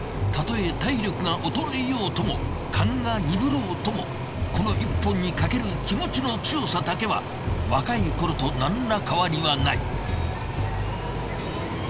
たとえ体力が衰えようとも勘が鈍ろうともこの１本にかける気持ちの強さだけは若い頃となんら変わりはない。